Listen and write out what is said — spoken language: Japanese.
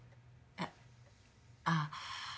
えっあぁ。